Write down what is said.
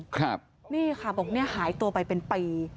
ครับนี่ค่ะบอกเนี่ยหายตัวไปเป็นปี